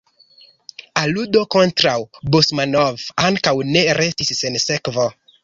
Aludo kontraŭ Basmanov ankaŭ ne restis sen sekvo.